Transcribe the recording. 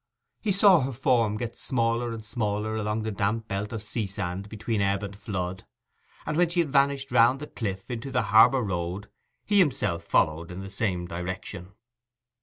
He saw her form get smaller and smaller along the damp belt of sea sand between ebb and flood; and when she had vanished round the cliff into the harbour road, he himself followed in the same direction.